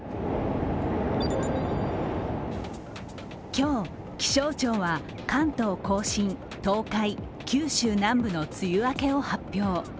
今日、気象庁は関東甲信、東海、九州南部の梅雨明けを発表。